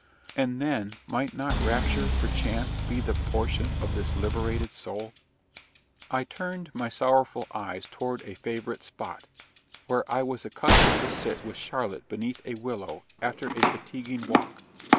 and then might not rapture perchance be the portion of this liberated soul? I turned my sorrowful eyes toward a favourite spot, where I was accustomed to sit with Charlotte beneath a willow after a fatiguing walk.